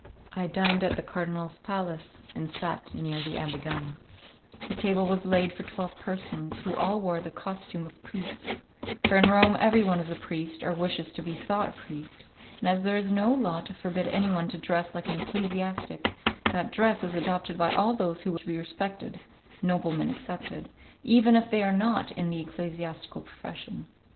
I dined at the cardinal's palace and sat near the Abbé Gama; the table was laid for twelve persons, who all wore the costume of priests, for in Rome everyone is a priest or wishes to be thought a priest and as there is no law to forbid anyone to dress like an ecclesiastic that dress is adopted by all those who wish to be respected (noblemen excepted) even if they are not in the ecclesiastical profession.